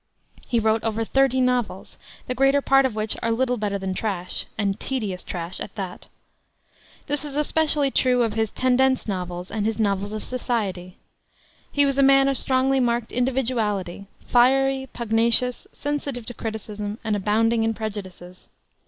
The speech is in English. He wrote over thirty novels, the greater part of which are little better than trash, and tedious trash at that. This is especially true of his tendenz novels and his novels of society. He was a man of strongly marked individuality, fiery, pugnacious, sensitive to criticism, and abounding in prejudices.